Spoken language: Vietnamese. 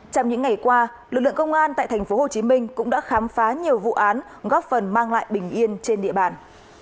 trong những ngày qua lực lượng công an tại tp hcm cũng đã khám phá nhiều vụ án góp phần mang lại bình yên trên địa bàn